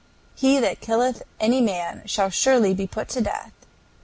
"He that killeth any man shall surely be put to death.